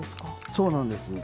そうなんです。